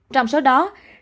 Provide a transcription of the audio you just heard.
trong số đó